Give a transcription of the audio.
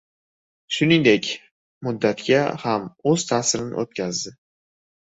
Shuningdek, muddatga ham o'z ta'sirini o'tkazdi.